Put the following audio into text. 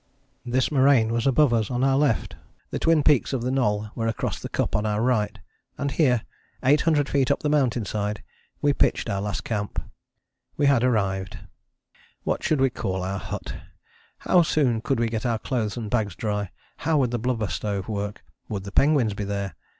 This moraine was above us on our left, the twin peaks of the Knoll were across the cup on our right; and here, 800 feet up the mountain side, we pitched our last camp. We had arrived. What should we call our hut? How soon could we get our clothes and bags dry? How would the blubber stove work? Would the penguins be there?